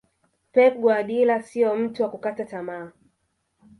Pep Guardiola siyo mtu wa kukata tamaa